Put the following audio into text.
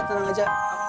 tante tenang aja